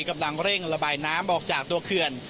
กำลังเร่งระบายน้ำออกจากตัวเขื่อน